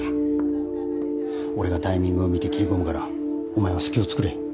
俺がタイミングを見て切り込むからお前は隙を作れ。